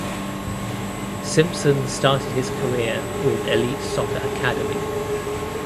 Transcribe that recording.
Simpson started his career with Elite Soccer Academy.